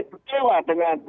saya berkewa dengan